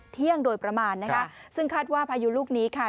เที่ยงโดยประมาณนะคะซึ่งคาดว่าพายุลูกนี้ค่ะ